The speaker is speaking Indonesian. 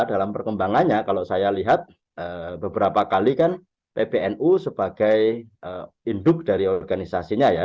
dalam perkembangannya kalau saya lihat beberapa kali kan pbnu sebagai induk dari organisasinya ya